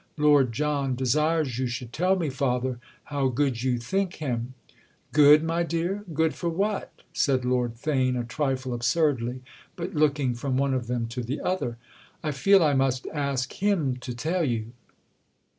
"Lord John desires you should tell me, father, how good you think him." "'Good,' my dear?—good for what?" said Lord Theign a trifle absurdly, but looking from one of them to the other. "I feel I must ask him to tell you."